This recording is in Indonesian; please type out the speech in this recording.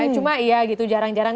cuma iya gitu jarang jarang